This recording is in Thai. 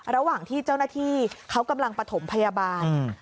ระหว่างที่เจ้าหน้าที่เขากำลังประถมพยาบาล